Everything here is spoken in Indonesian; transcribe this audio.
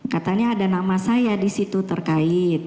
katanya ada nama saya di situ terkait